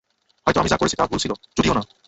হয়তো আমি যা করেছি তা ভুল ছিল-- - চুদিও না!